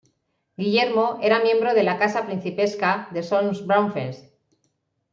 Guillermo era miembro de la Casa Principesca de Solms-Braunfels.